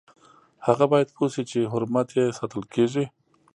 هغه باید پوه شي چې حرمت یې ساتل کیږي.